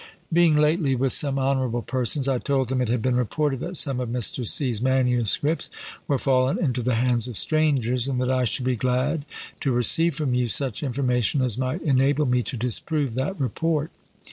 Being lately with some honourable persons, I told them it had been reported that some of Mr. C.'s MSS. were fallen into the hands of strangers, and that I should be glad to receive from you such information as might enable me to disprove that report.